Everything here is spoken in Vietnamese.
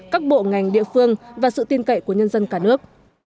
các bộ ngành địa phương và sự tin cậy của nhân dân cả nước